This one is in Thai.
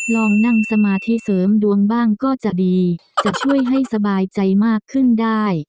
ลองนั่งสมาธิเสริมดวงบ้างก็จะดีจะช่วยให้สบายใจมากขึ้นได้